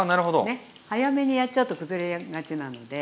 ねっ早めにやっちゃうと崩れがちなので。